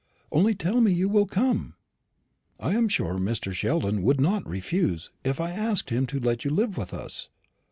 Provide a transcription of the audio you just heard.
only tell me you will come! I am sure Mr. Sheldon would not refuse, if I asked him to let you live with us.